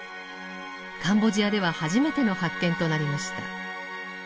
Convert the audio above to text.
カンボジアでは初めての発見となりました。